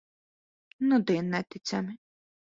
Nudien neticami.